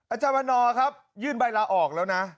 อาจารย์วันนอร์ครับยื่นใบลาออกแล้วนะ